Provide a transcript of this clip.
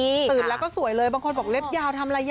เพราะว่าคนสวยไม่ต้องทำอะไรเยอะ